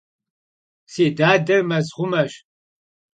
Si dader mezxhumeş.